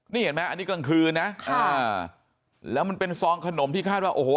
นี่เห็นไหมอันนี้กลางคืนนะอ่าแล้วมันเป็นซองขนมที่คาดว่าโอ้โห